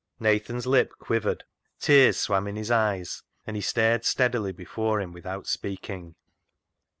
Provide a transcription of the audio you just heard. " Nathan's lip quivered, tears swam in his eyes, and he stared steadily before him without speaking.